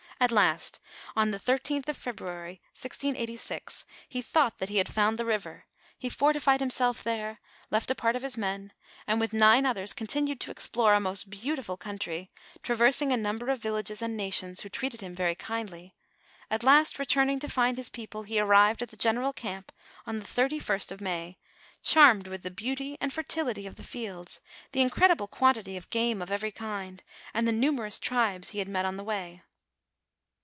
At last, on the 13th of February, 1G86, he thought that he had found the river ; he fortified himself there, left a part of his men, and with nine others continued to explore a most beautiful country, traversing a number of villages and nations, who treated him very kindly ; at last, returning to find his people, he arrived at the general camp, on the 31st of May, charmed with the beauty and fertility of the fields, the incredible ■'!l 196 NARRATIVE OF FATHER LE OLEROQ. r,f c n quantity of game of every kind, and the numerous tribes he had met on the way.